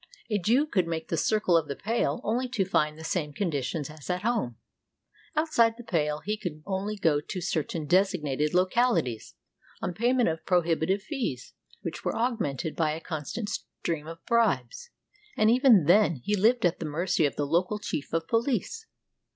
A Jew could make the circle of the Pale only to find the same conditions as at home. Outside the Pale he could only go to certain designated locaHties, on payment of prohibi tive fees, which were augmented by a constant stream of bribes; and even then he lived at the mercy of the local chief of police.